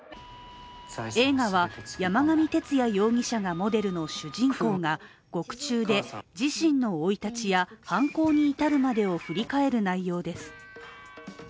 映画は山上徹也容疑者がモデルの主人公が獄中で、自身の生い立ちや、犯行に至るまでを振り返る内容です。